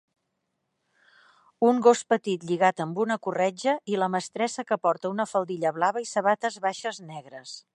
Un gos petit lligat amb una corretja i la mestressa que porta una faldilla blava i sabates baixes negres.